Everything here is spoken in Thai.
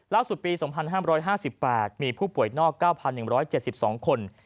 ปี๒๕๕๘มีผู้ป่วยนอก๙๑๗๒คน